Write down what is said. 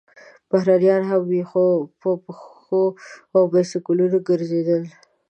بهرنیان هم وو، په پښو او بایسکلونو ګرځېدل.